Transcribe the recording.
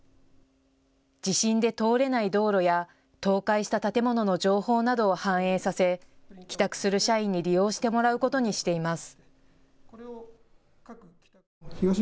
地震で通れない道路や倒壊した建物の情報などを反映させ、帰宅する社員に利用してもらうことにしています。